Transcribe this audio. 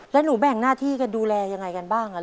แล้วหนูแบ่งหน้าที่กันดูแลยังไงกันบ้าง